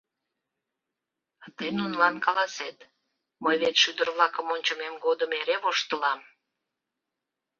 А тый нунылан каласет: «Мый вет шӱдыр-влакым ончымем годым эре воштылам!»